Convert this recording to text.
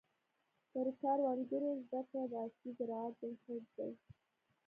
د کروندګرو زده کړه د عصري زراعت بنسټ دی.